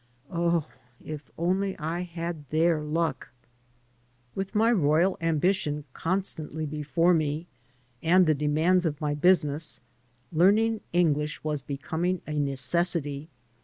Oh, if only I had their luck ! With my royal ambition constantly before me, and the demands of my business, learning English was becoming a necessity.